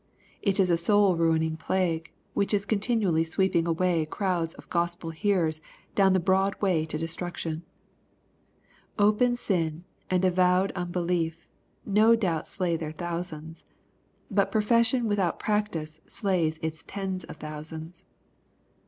It is a soul ruiuing plague, which is continually sweeping away crowds of Gospel hearers down the broad way to destruction Open sin, and avowed unbelief, no doubt s^ay their thousands. But profession without practice slays its tens of thousands.